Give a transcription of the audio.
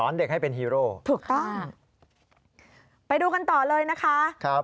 เด็กให้เป็นฮีโร่ถูกต้องไปดูกันต่อเลยนะคะครับ